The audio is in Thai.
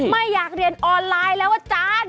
ไม่อยากเรียนออนไลน์แล้วอาจารย์